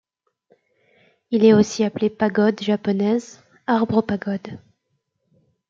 Il est aussi appelé Pagode japonaise, Arbre aux pagodes.